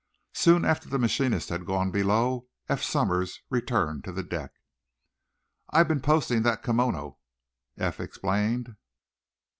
Soon after the machinist had gone below Eph Somers returned to the deck. "I've been posting that Kimono," Eph explained.